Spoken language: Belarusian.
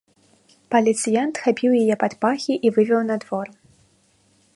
Паліцыянт хапіў яе пад пахі і вывеў на двор.